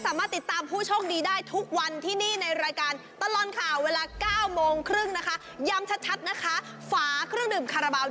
สำหรับวันนี้ไปหลุ้นกันค่ะ